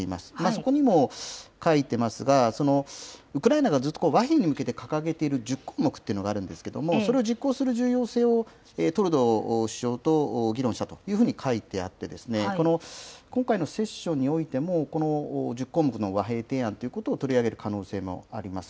そこにも書いてますが、ウクライナがずっと和平に向けて掲げている１０項目というのがあるんですけれども、それを実行する重要性をトルドー首相と議論したというふうに書いてあって、今回のセッションにおいても、１０項目の和平提案ということを取り上げる可能性もあります。